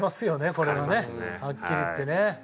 これはねはっきり言ってね。